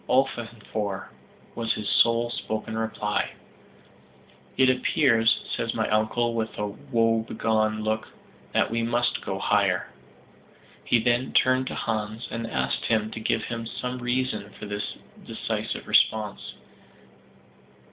"Ofvanfor," was his sole spoken reply. "It appears," says my uncle with a woebegone look, "that we must go higher." He then turned to Hans, and asked him to give some reason for this decisive response.